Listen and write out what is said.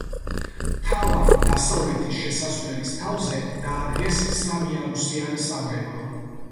მთავარ, დასავლეთის შესასვლელის თავზე დაადგეს სამიარუსიანი სამრეკლო.